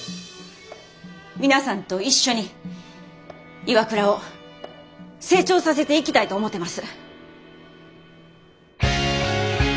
皆さんと一緒にＩＷＡＫＵＲＡを成長させていきたいと思てます。